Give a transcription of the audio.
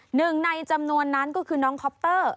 หนึ่งในจำนวนนั้นก็คือน้องคอปเตอร์